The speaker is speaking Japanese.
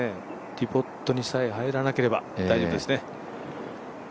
ディボットにさえ入らなければ大丈夫ですね。